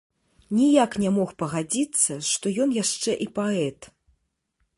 Ніяк не мог пагадзіцца, што ён яшчэ і паэт.